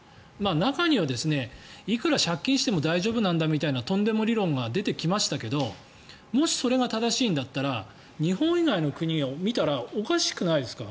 中にはいくら借金しても大丈夫なんだみたいなとんでも理論が出てきましたけどもしそれが正しいんだったら日本以外の国を見たらおかしくないですか？